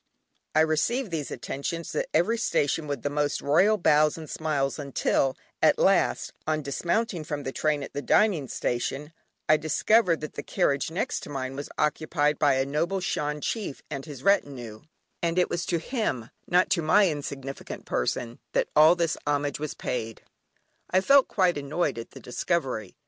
I received these attentions at every station with the most royal bows and smiles, until at last, on dismounting from the train at the dining station, I discovered that the carriage next to mine was occupied by a noble Shan Chief and his retinue, and it was to him, not to my insignificant person, that all this homage was paid. I felt quite annoyed at the discovery.